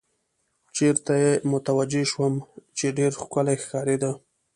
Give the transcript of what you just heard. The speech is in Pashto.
چېرې ته یې متوجه شوم، چې ډېره ښکلې ښکارېده.